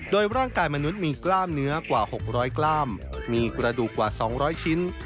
โดยร่างกายมนุษย์มีกล้ามเนื้อกว่า๖๐๐กล้ามมีกระดูกกว่า๒๐๐ชิ้น